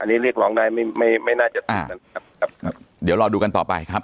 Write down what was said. อันนี้เรียกร้องได้ไม่ไม่ไม่น่าจะติดกันครับครับเดี๋ยวรอดูกันต่อไปครับ